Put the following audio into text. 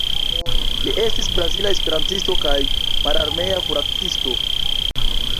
Li estis brazila esperantisto kaj mararmea kuracisto.